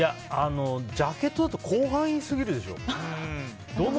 ジャケットだと広範囲すぎるでしょ。